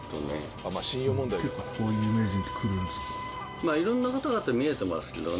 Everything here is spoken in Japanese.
まあ色んな方々見えてますけどね。